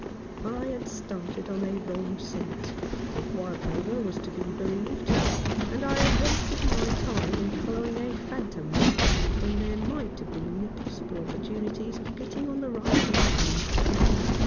I had started on a wrong scent — if Wildover was to be believed — and I had wasted my time in follow ing a phantom, when there might have been possible opportunities of getting on the right line.